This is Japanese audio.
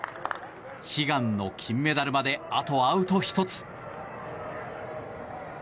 悲願の金メダルまであとアウト１つ。